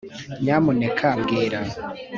nyamuneka mbwira